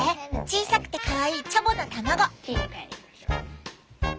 小さくてかわいいチャボの卵。